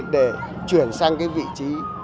để chuyển sang cái vị trí